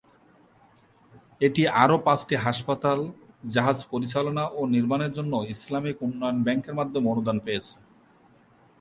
এটি আরও পাঁচটি হাসপাতাল জাহাজ পরিচালনা ও নির্মাণের জন্য ইসলামিক উন্নয়ন ব্যাংকের মাধ্যমে অনুদান পেয়েছে।